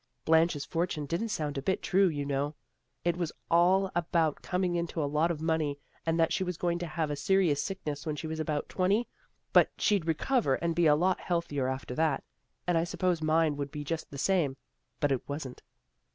Blanche's fortune didn't sound a bit true, you know. It was all about coming into a lot of money, and that she was going to have a seri ous sickness when she was about twenty, but she'd recover and be a lot healthier after that. And I supposed mine would be just the same. But it wasn't."